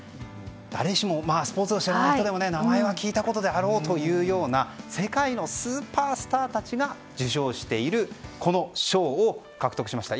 誰しもスポーツを知らない人でも名前は聞いたことがあるであろうという世界のスーパースターたちが受賞しているこの賞を獲得しました。